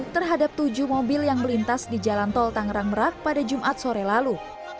terhadap tujuh mobil yang melintas di jalan tol tangerang merak pada jumat sore lalu